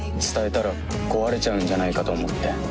「伝えたら壊れちゃうんじゃないかと思って」